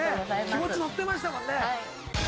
気持ちノッてましたもんね。